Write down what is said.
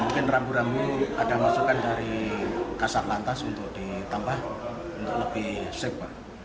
mungkin rambu rambu ada masukan dari kasat lantas untuk ditambah untuk lebih safe pak